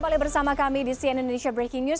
kembali bersama kami di cnn indonesia breaking news